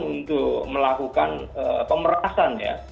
untuk melakukan pemerasan ya